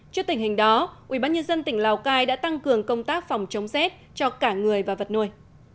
trước tình hình đó ubnd tỉnh lào cai đã tăng cường công tác phòng chống rét cho cả người và vật nuôi